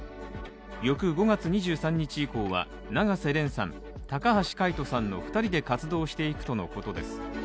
翌５月２３日以降は永瀬廉さん、高橋海人さんの２人で活動していくとのことです。